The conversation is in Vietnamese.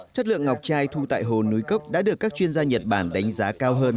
chất lượng ngọc trai thu tại hồ núi cốc đã được các chuyên gia nhật bản đánh giá cao hơn